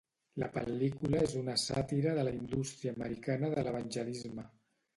La pel·lícula és una sàtira de la indústria americana de l'evangelisme.